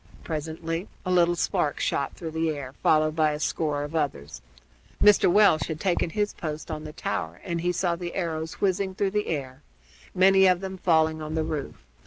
Presently a little spark shot through the air, followed by a score of others. Mr. Welch had taken his post on the tower, and he saw the arrows whizzing through the air, many of them falling on the roof.